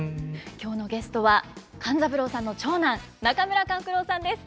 今日のゲストは勘三郎さんの長男中村勘九郎さんです。